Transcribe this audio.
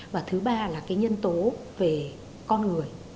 và thứ ba là cái nhân tố về con người